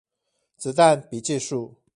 子彈筆記術